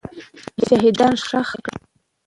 شهیدان ښخ کړه.